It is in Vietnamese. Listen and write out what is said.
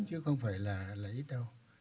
chứ không phải là ít đâu